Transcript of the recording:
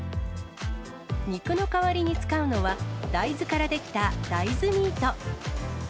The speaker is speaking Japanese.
肉の代わりに使うのは、大豆から出来た大豆ミート。